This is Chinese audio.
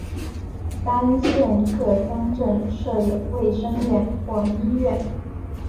单县各乡镇设有卫生院或医院。